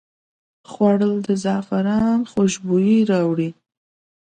خوړل د زعفران خوشبويي راوړي